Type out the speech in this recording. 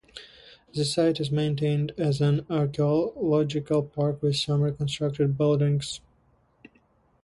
The site is maintained as an archaeological park with some reconstructed buildings.